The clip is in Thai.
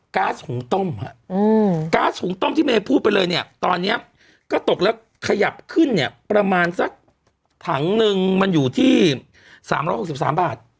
๊าซหุงต้มฮะก๊าซหุงต้มที่เมย์พูดไปเลยเนี่ยตอนนี้ก็ตกแล้วขยับขึ้นเนี่ยประมาณสักถังนึงมันอยู่ที่๓๖๓บาท